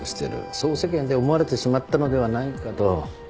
そう世間で思われてしまったのではないかと。